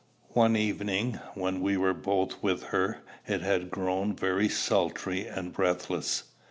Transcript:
One evening, when we were both with her, it had grown very sultry and breathless.